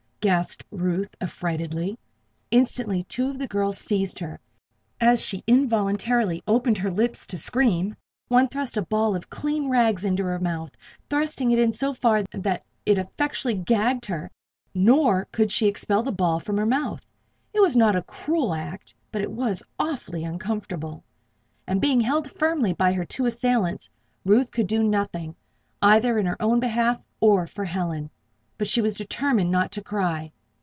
gasped Ruth, affrightedly. Instantly two of the girls seized her and, as she involuntarily opened her lips to scream, one thrust a ball of clean rags into her mouth, thrusting it in so far that it effectually gagged her, nor could she expel the ball from her mouth. It was not a cruel act, but it was awfully uncomfortable, and being held firmly by her two assailants, Ruth could do nothing, either in her own behalf, or for Helen. But she was determined not to cry.